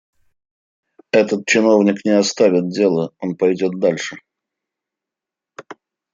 Этот чиновник не оставит дела, он пойдет дальше.